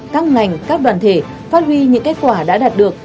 các ngành các đoàn thể phát huy những kết quả đã đạt được